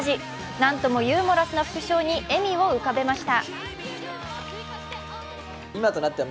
なんともユーモラスな副賞に笑みを浮かべました。